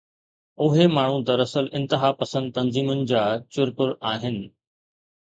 اهي ماڻهو دراصل انتهاپسند تنظيمن جا چرپر آهن.